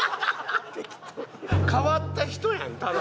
変わった人やんただの。